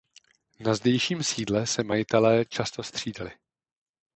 Na zdejším sídle se majitelé často střídali.